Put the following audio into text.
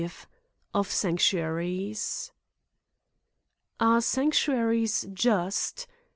Of Sanctuar'ies, ARE sanctuaries just?